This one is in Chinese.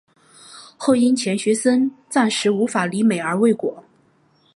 后因钱学森暂时无法离美而未果。